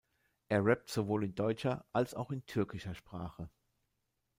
Er rappt sowohl in deutscher als auch in türkischer Sprache.